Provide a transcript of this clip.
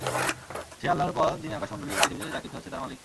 সে আল্লাহর পথ যিনি আকাশমণ্ডলী ও পৃথিবীতে যা কিছু আছে তার মালিক।